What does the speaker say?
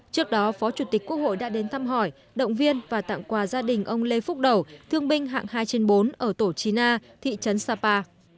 trước đó phó chủ tịch quốc hội đã đến thăm hỏi động viên và tặng quà gia đình ông lê phúc đầu thương binh hạng hai trên bốn ở tổ chín a thị trấn sapa